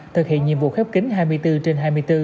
thực hiện nhiệm vụ khép kính hai mươi bốn trên hai mươi bốn